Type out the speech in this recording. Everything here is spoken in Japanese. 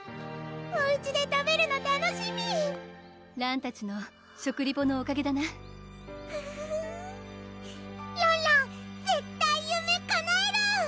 おうちで食べるの楽しみらんたちの食リポのおかげだならんらん絶対夢かなえる！